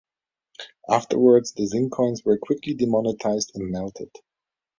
Afterwards, the zinc coins were quickly demonetized and melted.